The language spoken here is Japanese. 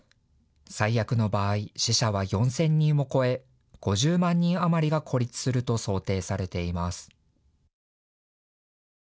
最悪の場合、死者は４千人を超え５０万人余りが孤立すると想定されています。